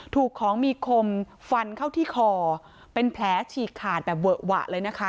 ถูกของมีคมฟันเข้าที่คอเป็นแผลฉีกขาดแบบเวอะหวะเลยนะคะ